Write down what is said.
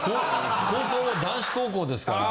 高校も男子高校ですから。